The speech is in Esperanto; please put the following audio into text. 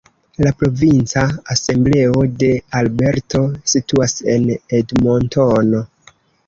La provinca asembleo de Alberto situas en Edmontono.